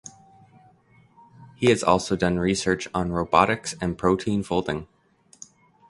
He has also done research on robotics and protein folding.